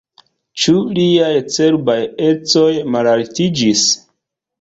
Ĉu liaj cerbaj ecoj malaltiĝis?